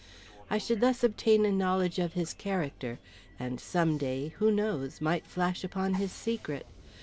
I should thus obtain a knowledge of his character, and some day, who knows, might flash upon his secret.